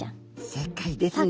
正解ですね。